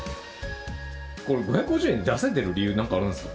これ、５５０円で出せてる理由、なんかあるんですか？